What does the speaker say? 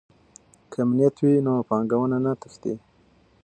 که امنیت وي نو پانګونه نه تښتي.